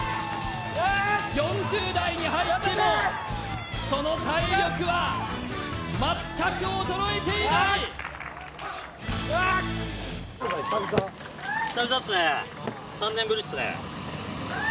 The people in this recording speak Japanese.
４０代に入ってもその体力は全く衰えていないよーしっ！